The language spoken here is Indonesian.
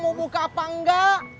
mau buka apa enggak